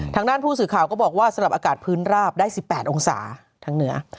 ทางด้านผู้สื่อข่าวก็บอกว่าสำหรับอากาศพื้นราบได้๑๘องศาทางเหนือ